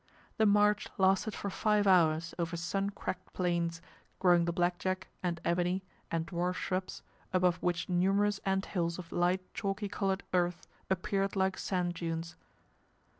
The march lasted for five hours over sun cracked plains, growing the black jack, and ebony, and dwarf shrubs, above which numerous ant hills of light chalky coloured earth appeared like sand dunes.